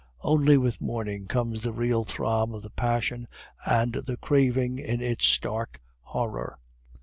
Only with morning comes the real throb of the passion and the craving in its stark horror.